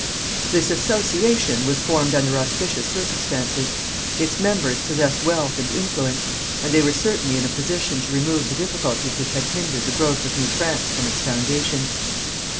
This association was formed under auspicious circumstances; its members possessed wealth and influence, and they were certainly in a position to remove the difficulties which had hindered the growth of New France from its foundation.